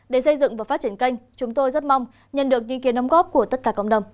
để xây dựng và phát triển kênh chúng tôi rất mong nhận được ý kiến nông góp của tất cả cộng đồng